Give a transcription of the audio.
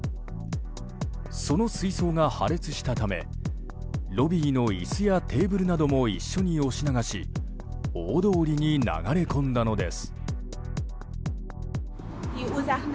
その水槽が破裂したためロビーの椅子やテーブルなども一緒に押し流し大通りに流れ込んだのです。